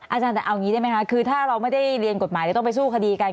อาจารย์แต่เอาอย่างนี้ได้ไหมคะคือถ้าเราไม่ได้เรียนกฎหมายจะต้องไปสู้คดีกัน